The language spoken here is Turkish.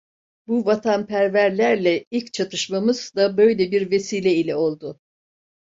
Bu vatanperverlerle ilk çatışmamız da böyle bir vesile ile oldu.